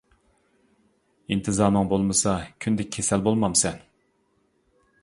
ئىنتىزامىڭ بولمىسا كۈندە كېسەل بولمامسەن؟ .